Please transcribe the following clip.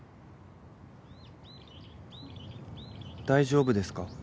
大丈夫ですか？